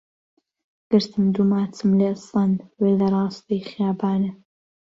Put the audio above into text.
گرتم دوو ماچم لێ سەند وەی لە ڕاستەی خیابانێ